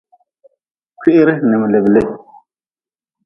Kwiri n miliblih.